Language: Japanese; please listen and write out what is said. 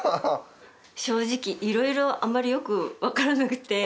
正直いろいろあんまりよく分からなくて。